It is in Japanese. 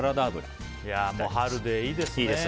春でいいですね。